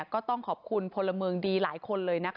ก็ต้องขอบคุณพลเมืองดีหลายคนเลยนะคะ